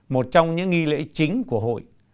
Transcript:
một trong những nghi lễ chính của hội